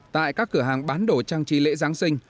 tại các cửa hàng bán đồ trang trí lễ giáng sinh